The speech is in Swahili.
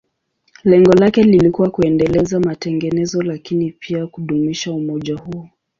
Lengo lake lilikuwa kuendeleza matengenezo, lakini pia kudumisha umoja huo.